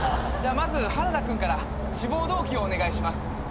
まず原田君から志望動機をお願いします。